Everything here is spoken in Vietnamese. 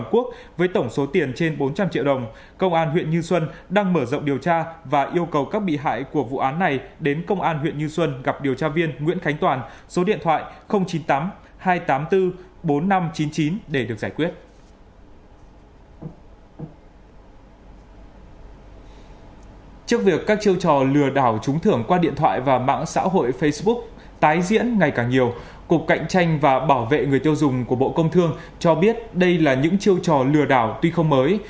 cục cạnh tranh và bảo vệ người tiêu dùng của bộ công thương cho biết đây là những chiêu trò lừa đảo tuy không mới